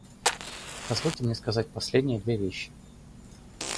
Позвольте мне сказать последние две вещи.